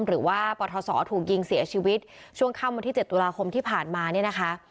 หรือว่าปทศถูกยิงเสียชีวิตช่วงค่ำวันที่๗ตุลาคมที่ผ่านมาเนี่ยนะคะ